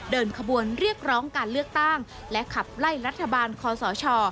เดินขบวนเรียกร้องการเลือกตั้งและขับไล่รัฐบาลคอสช